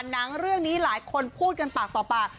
หนังเรื่องนี้หลายคนพูดกันปากต่อปาก